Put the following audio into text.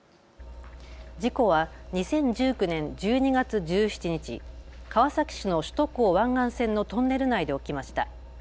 事故は２０１９年１２月１７日、川崎市の首都高・湾岸線のトンネル内で起きました。